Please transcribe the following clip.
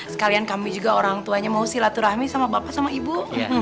sekalian kami juga orang tuanya mau silaturahmi sama bapak sama ibu